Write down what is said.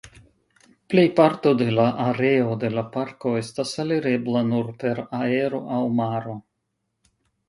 Plejparto de la areo de la parko estas alirebla nur per aero aŭ maro.